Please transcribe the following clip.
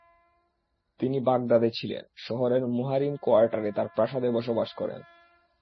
তিনি বাগদাদে ছিলেন, শহরের মুহারিম কোয়ার্টারে তার প্রাসাদে বসবাস করেন।